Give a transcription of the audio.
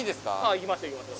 行きましょう行きましょう。